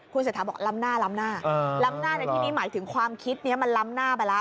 เศรษฐาบอกล้ำหน้าล้ำหน้าล้ำหน้าในที่นี้หมายถึงความคิดนี้มันล้ำหน้าไปแล้ว